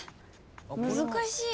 難しい。